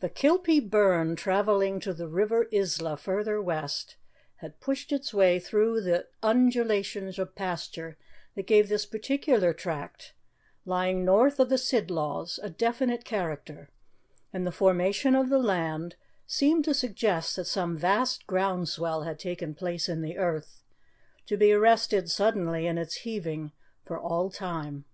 The Kilpie burn, travelling to the river Isla, farther west, had pushed its way through the undulations of pasture that gave this particular tract, lying north of the Sidlaws, a definite character; and the formation of the land seemed to suggest that some vast ground swell had taken place in the earth, to be arrested, suddenly, in its heaving, for all time.